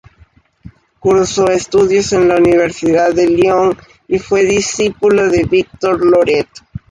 Cursó estudios en la Universidad de Lyon y fue discípulo de Victor Loret.